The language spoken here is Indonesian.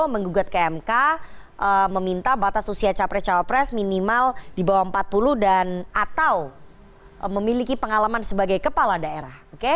menggugat ke mk meminta batas usia capres cawapres minimal di bawah empat puluh dan atau memiliki pengalaman sebagai kepala daerah